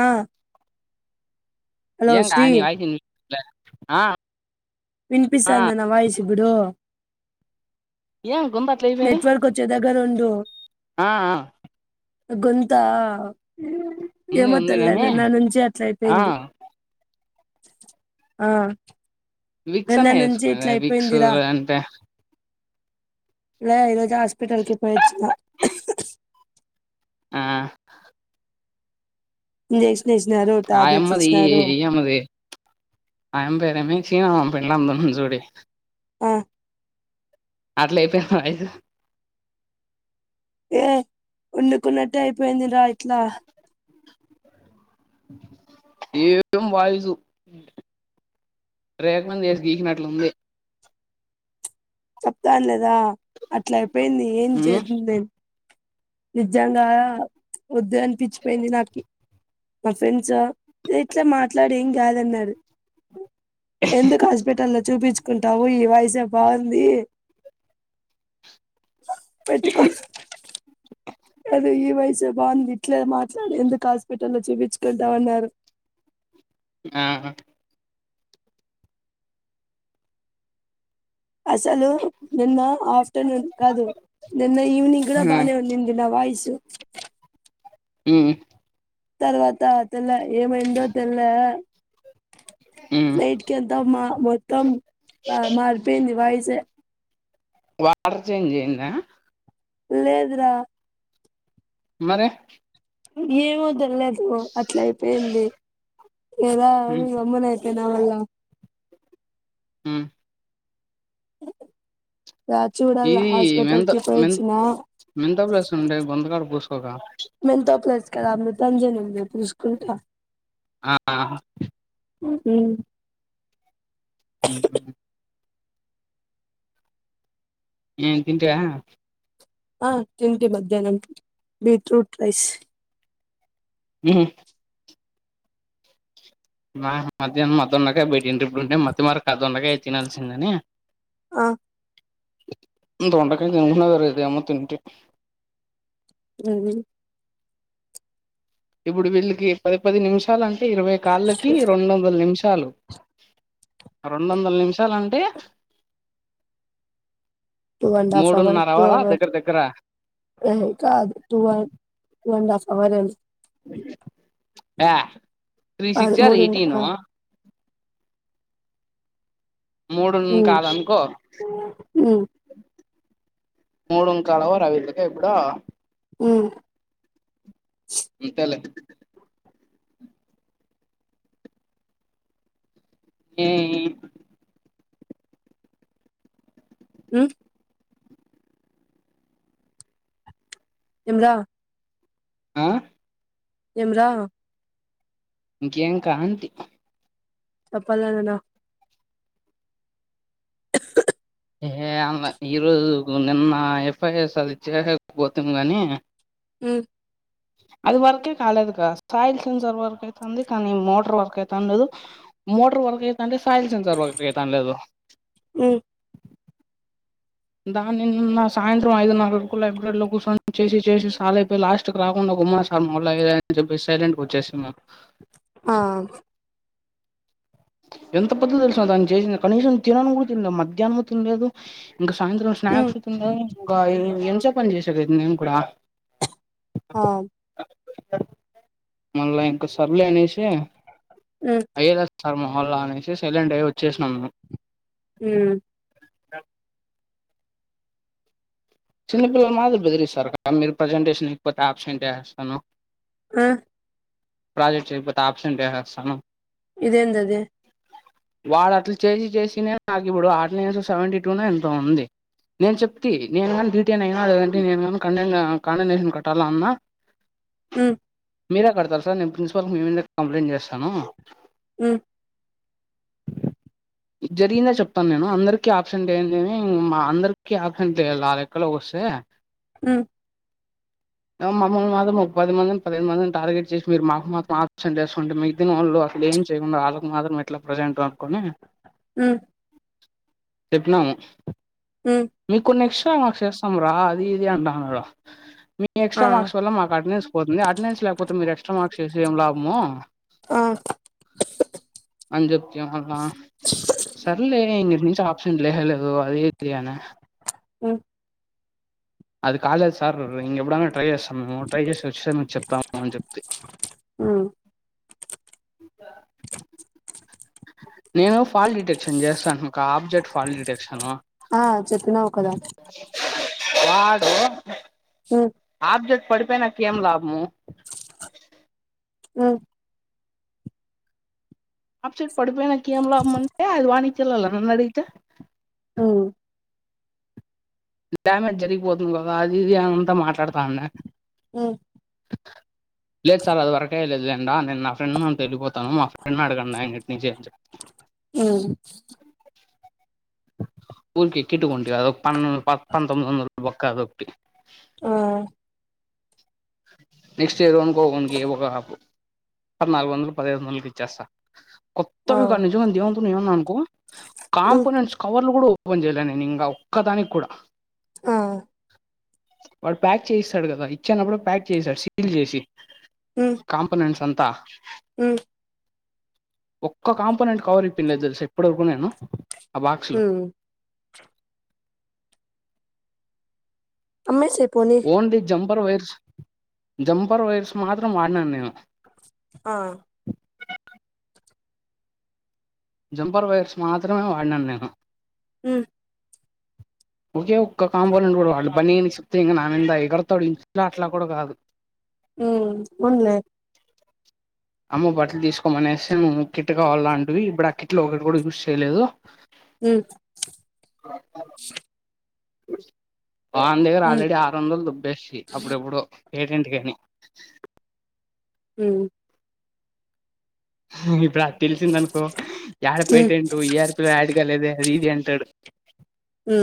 ఆ హలో ఏం కా శ్రీ నీ వాయిస్ వినిపీలే ఆ ఆ విన్పిస్తాంద నా వాయిస్ ఇబుడు ఏం గొంతు అట్ల అయిపోయింది నెట్వర్క్ వచ్చే దగ్గర ఉండు ఆ ఆ గొంతా ఆ ఉంది ఏమో ఉంది తెల్లే గాని నిన్న నుంచి అట్లా ఆ ఐపేంది. ఆ విక్స్ నిన్న అన్న నుంచి వేసుకునేదే ఇట్లా విక్స్ అయిపోయిందిరా అంటే లే ఈరోజు హాస్పిటల్కి పోయొచ్చినా ఆ జస్ ఆ యమ్మది ఈ అమ్మది ఆయమ్ పేరేమి సీను మామం పెండ్లాం ఉంది చూడి ఆ అట్లైతదోమో అయిత ఏ ఉండుకున్నట్టే అయిపోయిందిరా ఇట్లా ఏం [inaudible] వాయిసు రేఖ మింది ఏసి గీకిినట్లు ఉంది చెప్తాండ్లేదా అట్లా ఐపేంది ఏం ఉమ్ చేత్దును నేను నిజంగా వద్దు అనిపిచ్పోయింది నాకి మా ఫ్రెండ్స్ ఎ ఇట్లా మాట్లాడు ఏం కాదన్నారు ఎందుకు హాస్పిటల్లో చూపిచ్కుంటావు ఈ వాయ్సే బాగుం ఉంది పెట్టుకో అదే ఈ వాయిసే బాగుంది ఇట్లే మాట్లాడు ఎందుకు హాస్పిటల్లో చూపిచ్కుంటావు అన్నారు ఆహ అసలు నిన్న ఆఫ్టర్నూన్ కాదు నిన్న ఈవనింగ్ కూడా ఆ బానే ఉనింది నా వాయిస్ ఉమ్ తర్వాత తెల్ల ఏమైందో తెల్లె ఉమ్ నైట్కెంత మా మొత్తం మా మారిపోయింది వాయిసే వాటర్ చేంజ్ అయిందా? లేదు రా మరే ఏమో తెల్లేదు అట్లా ఐపేంది ఏదా ఉమ్ గమ్మున అయి. నా వల్ల ఉమ్ ద చూడాల్లా హాస్పిటల్కి పోయొచ్చినా? మెంథొప్లస్ ఉంటే గొంతుకాడ పూసుకోకా ఇక్కడ అమృతాంజన్ ఉంది పూసుకుంటా ఆ ఆ ఊ ఉమ్ ము ఆ హు ఎమ్ తింటివ్య ఆ తింటి మధ్యాహ్నం బీట్రూట్ రైస్ ముత్ నాన్ మధ్యాహ్నం మత్తున్నాక బయటికి ఏంటిమి అంటే మత్తిమరక్ ఆ దొండకాయ ఇచ్చేయాల్సిందని. ఆ దొండకాయని తింటుంటే వేరే ఏమో తింటి. దొన్వీన్ ఇప్పుడు వీళ్లికి పది పది నిమిషాలాన్ టే ఇరవై కాల్లకి రెండొందల నిమిషాలు ఆ రెండొందలు నిమిషాలంటే two and half hour two hour దగ్గర దగ్గర యే కాదు టూ ఆ టూ అండ్ హాఫ్ అవరేలే యా త్రీ సిక్స్ కాదు జర్ మూడు ఎయిటీను మూడున్ ఉమ్ కాలనుకో ఉమ్ మూడు కాల్ అవర్ వీళ్లకి ఇప్పుడు ఉ అంతేలే హి ఉ ఎమ్ రా ఆ ఎమ్ రా ఇంకేం కా అంటీ చొప్పల్ నాయనానా [inaudible] ఏ అవ్వా ఈ రోజు గు నిన్న ఐ పి ఎస్ రిచ్ గానే పోతిమి గాని. ఉ [inaudible] అది వర్క్కే కాలేదు కదా సాయిల్ సెన్సర్ వర్క్ అయితంది, కానీ మోటర్ వర్క్ అయితండదు మోటరు వర్క్ అయితంటే సాయిల్ సెన్సార్ వర్క్ అయితన్లేదు. ఉమ్ దాన్ని నిన్న సాయంత్రం ఐదునర వరకు లైబ్రరీలో కుస్సోనీ చేసి చేసి సాలైపోయి లాస్ట్కి రాకుండా ఉమా సార్ మళ్ళా ఏదైనా చొప్పి సైలెంట్ గా వచ్చినమ్. [inaudible] ఆ ఎంత పెద్దదో తెల్సా దాని చేసింది కనీసం తినను కూడా తిన్న్లా మధ్యాహ్నం తిన్లేదు. ఇంకా సాయంత్రం ఉమ్ స్నాక్స్ తిన్లేదు ఇంకా ఎంతసేపు పని చేసికి అయితుంది నేను కూడా. ఆ మళ్ళా ఇంకా సర్లే అనేసి ఉ వాళ్ళ మొహల్లా అనేసి సైలెంట్ అయ్యి వచ్చేసినాము మేము. ఉ డగ్ చిన్నపిల్లల మాదిరి బెదిరిస్తారక్క మీరు ప్రజెంటేషన్ ఇకపోతే ఆబ్సెంట్ వేస్తాను. ఆ ప్రాజెక్ట్ చేయకపోతే ఆబ్సెంట్ వేసేస్తాను ఇదేందది వాడు అట్లా చేసి చేసినే నాకు ఇప్పుడు అటెండెన్స్ సెవెంటీ టునో ఎంతో ఉంది నేను చెప్తీ నేను గాన్ డిటెన్ అయిన అంటే కండెన్ కండెసేషన్ కట్టాల అన్న ఉ మీరే కడతారు సార్ నేను ప్రిన్సిపాల్కి మీ మీద నే కంప్లైంట్ చేస్తాను ఉ జరిగిందే చెప్తాను నేను అందరికీ ఆబ్సెంట్ ఏంటి అని మా అందరికీ ఆబ్సెంట్ ఏయాలి నాలె కల్లో వస్తే ఉ ఏమో మమ్మల్ని మాత్రం ఒక పది మందిని పదిహేను మందిని టార్గెట్ చేసి మీరు మాకు మాత్రం ఆబ్సెట్లు వేసుకుంటే మిగితిన వాళ్ళు అఫి ఏం చేయకుండా ఆళ్ళకు మాత్రం ఎట్లా ప్రజెంట్ అనుకొని ఉమ్ చెప్పినాము ఉమ్ మీకు కొన్ని ఎక్స్ట్రా మార్క్స్ ఏస్తాం రా అది ఇది అంటాడు అడా మీ ఆ ఎక్స్ట్రా మార్క్స్ వల్ల మాకు అటెండెన్స్ పోతుంది అటెండెన్స్ లేకపోతే మీరు ఎక్స్ట్రా మార్క్స్ ఏసి ఏం లాభము ఆన్ అంజత్య అల్లా సర్లే ఇంగా నిన్స్ ఆప్షన్ లేనేలేదు ఓ అది ఇది అనే ఉ అది కాలేజ్ సార్ ఇంగ ఎప్పుడన్నా ట్రై చేసు అంమోడు ట్రై చేసి వచ్చ మీకు చెప్తాము అని చెప్తే ఉమ్ నేను ఫాల్ట్ డిటెక్షన్ చేస్తాను ఒక ఆబ్జెక్ట్ ఫాల్ట్ డిటెక్షన్ ఆ చెప్పిన్నావు కదా వాడు ఉమ్ ఆబ్జెక్ట్ పడిపేయినా నంకా కేం లాభము ఆ ఆప్సెట్ పడిపోయి నా కే ఏం లాభమంటే అది వాణి చిర్లే నన్ను అడిగితే ఉ డ్యామేజ్ జరిగిపోతుంది కదా అది ఇది ఆమె అంతా మాట్లాడుతాందే ఉమ్ లేదు సార్ అది వరకే లేదు లేండ నేను నా ఫెండ్ గాని తో ఏల్లిపో తను మా ఫ్రెండ్ ని అడగండి అన్నింటి నుంచి ఏం చెపు ఉమ్ ఊరికే కిట్కోంట అద ఒక పన్న ప పంతొమ్మిది వందలు బొక్క అదోకటి ఆ నెక్స్ట్ ఇయర్ ఎవనుకోగనికి ఒక హాఫ్ పద్నాలుగు వందలు పదఐదు వందలకి ఇచ్చేస్తా ఆ కొత్తవి కా నిజమ దేవంతన్నా నువు ఏం అన్న అనుకో ఉమ్ కాంపోనెంట్స్ కవర్ లు కూడా ఓపెన్ చేయలే నేను ఇంకా ఒక్కదానికి కూడా ఆ వాడు ప్యాక్ చేయిస్తాడు కదా ఇచ్చనప్పుడు ప్యాక్ చేయిస్తాడు సీల్ చేసి కాంపొనెంట్స్ అంతా ఉ ఒక్క కాంపోనెంట్ కవర్ ఇప్పందిలేదు తెలుసా ఇప్పటి వరకు నేను ఆ బాక్స్లో ఉమ్ అమ్మెసేపు only jumper wires jumper wires మాత్రం వాడినాను నేను ఆ జంపర్ వైర్స్ మాత్రమే వాడినాను నేను ఉ ఒకే ఒక్క కాంపోనంట్ కూడా వాళు బని సప్తతే ఇంకా నా మీద గడతాడి ఇంక ఇట్ల అట్ల కూడా కాదు ఉ ఉన్నా అమ్మ బట్టలు తీసుకోమనేసె నువ్వు కిట్టుకావాల అం అది ఇప్పుడు ఆ కిట్లో ఒకటి కూడా యూజ్ చేయలేదు ఉ భాన్ దగ్గర ఉమ్ ఆల్రెడీ ఆర్ వందలు దొబ్బేసి అప్పుడెప్పుడొ ఏడింటి కని ఉ ఇప్పుడు అ తెలిసింద అనుకో యాడ ఉమ్ పేటెంటు ఈఆర్పిలో యాడి కలేద అది ఇది అంటాడు ఉ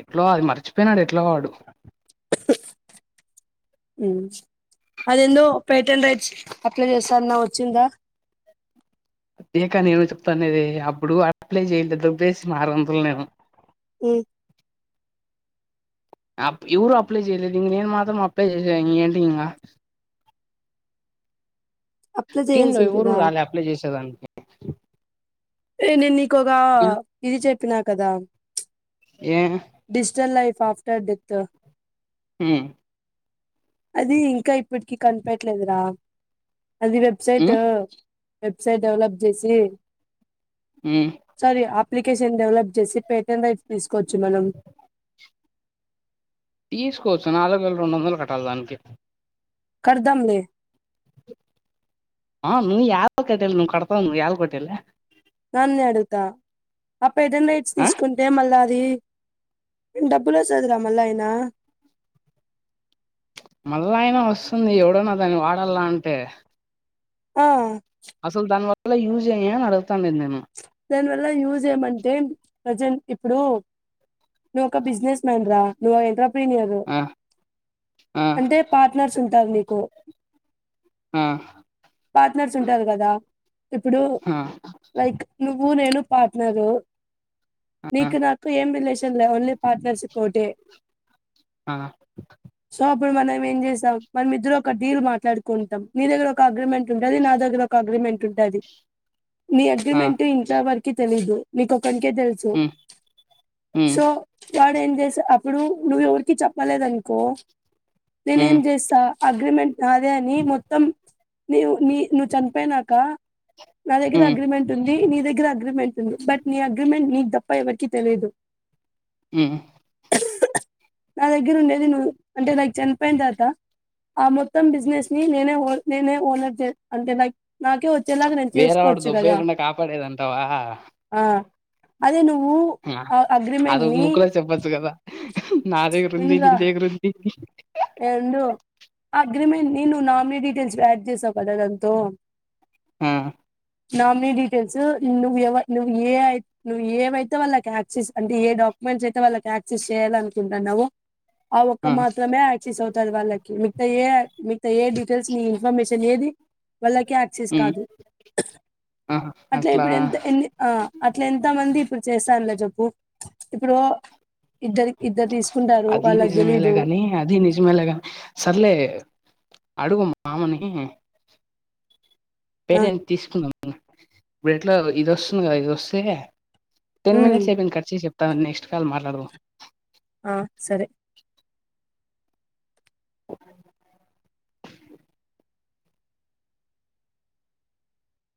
ఎట్లో అది మర్చిపోయినడు ట్లవాడు అద ఎందో పేటెంట్ రైట్స్ అప్లై చేస్తారన్న వచ్చిందా అదేక నేను చెప్తానేది అప్పుడు అప్లై చేయలేదు దోబ్బేసి మారు వందలు నేను ఉ ఇవరు అప్లై చేయలే నేను మాత్రం అప్లై [unintelligible] ఏంటిగింగ అప్లై టీం లో ఎవరు చేయాల్సింటిరా రాలే అప్లై చేసేదానికి నేను నీకొగా నేను ఇది చెప్పినా కదా ఏ డిజిటల్ లైఫ్ ఆఫ్టర్ డెత్ ఉ అది ఇంకా ఇప్పటికి కనిపెట్లేదుర అది వెబ్సైటు ఉమ్ వెబ్సైట్ డెవలప్ చేసి ఉమ్ సరి అప్ అప్లికేషన్ డెవలప్ చేసి పేటెం రైట్స్ తీసుకోచ్చు మనం తీసుకోచ్చు నాలుగు వేల రెండు వందలు కట్టాలె దానికి కడ్తంలే [unintelligible] కట్టేల్ నువ్ కడతవ్ నువ్ ఎయాల కట్టలే దాన్నే అడుగుత ఆ పెడన్ రైట్స్ ఆ తీసుకుంటే మళ్ళా డబ్బుల వస్తది రా మల్లా అయినా మళ్ళయినా వస్తుంది ఎవడన్న దాన్ని వాడల అంటే ఆ అసలు దాని వల్ల యూజ్ ఏమీ అడ దానివల్ల యూజ్ ఏమంటే ప్రజెంట్ ఇప్పుడు నువ్వు ఒక బిజినెస్ మ్యాన్ ర నువ్వు ఎ [unintelligible] ఆ ఆ అంటే పార్ట్నర్స్ ఉంటారు మీకు ఆ పార్ట్నర్స్ ఉంటారు కద ఇప్పుడు ఆ లైక్ నువ్వు నేను పార్ట్నరు నీకు నాకు ఏం రిలేషన్లే ఓన్లీ పార్ట్నర్షిప్ ఒకటే ఆ ఇప్పుడు మనం ఏం చేసాం మన ఇద్దరు ఒక డీల్ మాట్లాడుకుంటాం నీ దగ్గర ఒక అగ్రిమెంట్ ఉంటుంది నా దగ్గర ఒక అగ్రిమె మెంటుంటది నీ ఆ అగ్రిమెంట్ ఇంట్ల ఎవరికి తెలీయదు నీకు తెలుసు ఉమ్ ఉమ్ సో వాడు అప్పుడు నువ్వు ఎవరికి చెప్పలేదనుకో నేనేం ఉమ్ చేస్త అగ్రిమెంట్ నాదే అని మొత్తం నీవ్ నీ నువ్వు చనిపోయినాక నా దగ్గర ఉమ్ అగ్రిమెంట్ ఉంది నీ దగ్గర అగ్రిమెం బట్ నీ అగ్రిమెంట్ నీకు తప్ప ఎవరికి తెలియదు హు నా దగ్గర ఉండేది నువ్ అంటే నాకు చనిపోయిన తర్వాత ఆ మొత్తం బిజినెస్ ని నేనే నేనే ఓనర్ అంటే నాకే వచ్చేలాగా నేను చేస్ డు దుబ్బే కుండా కాపాడేదంటావ ఆ అదే నువ్వు ఆ అగ్రిమెంట్ అదొక ని ముక్కులో చెప్పచ్చు కదా నా దగ్గర ఉంది విన్రా నీదెగ్గర ఉంది [unintelligible] అగ్రిమెంట్ నేను నామిని డీటెయిల్స్ వియాడ్ జేసావు కదా అది ఎంతో ఆ నామినీ డీటెయిల్స్ నువ్వు ఎవ నువ్వు ఏ నువ్వు ఏవైతే వాళ్ళకి యాక్సెస్ అంటే ఏ డా మన చేత వాళ్ళకి యాక్సెస్ చేయాలి అనుకుంటన్నావో ఆ ఒక్క మాత్రమే యాక్సెస్ అవుతది వాళ్ళకి మిగత ఏ మిగత ఏ డీటెయిల్స్ మి ఇన్ఫర్మ మెషన్ ఏది వాళ్ళకి యాక్సెస్ ఉమ్ కాదు అట్లా ఇప్పుడు ఎంత ఎంది ఆ అట్ల ఎంత మంది ఇప్పుడు చేస్తారు లే జేప్ ఇప్పుడు ఇద్దరు ఇద్దరు తీసుకుంటారు వాళ్ళకు దెలీదు జి మెయిల్ గ సర్లే అడుగు మామని ఆ పేటెంట్ తీసుకుందం మనం ఇప్పుడు ఎట్లా ఇది వస్తుంది కదా ఇదొస్తే టెన్ ఉమ్ మినిట్స్ అయిపోయింది కట్ చేయ్ చెప్తా నెక్స్ట్ కాల్ మాట్లాదం ఆ సరే